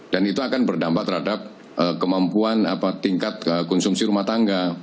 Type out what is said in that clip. dan itu akan berdampak terhadap kemampuan tingkat konsumsi rumah tangga